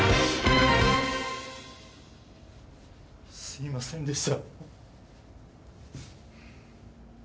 すみませんでした。